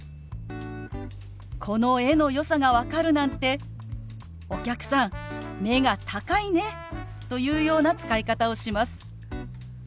「この絵のよさが分かるなんてお客さん目が高いね」というような使い方をします。